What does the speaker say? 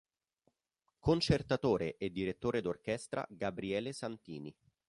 Concertatore e direttore d'orchestra Gabriele Santini.